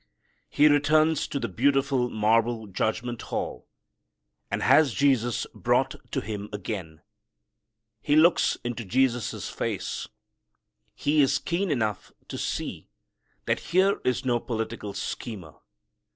He returns to the beautiful marble judgment hall, and has Jesus brought to him again. He looks into Jesus' face. He is keen enough to see that here is no political schemer.